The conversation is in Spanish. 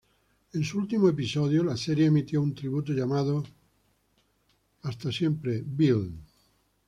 En su último episodios la serie emitió un tributo llamado "Farewell The Bill".